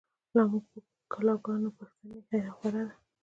لا زمونږ په کلا گانو، پښتنی حیا خوره ده